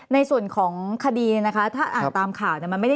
ในส่วนของคดีนะคะถ้าอ่านตามข่าว